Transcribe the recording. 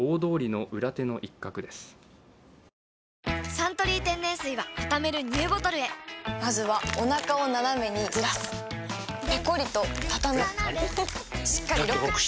「サントリー天然水」はたためるＮＥＷボトルへまずはおなかをナナメにずらすペコリ！とたたむしっかりロック！